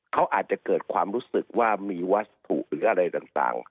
เขาอาจจะเกิดความรู้สึกว่ามีวัตถุหรืออะไรต่าง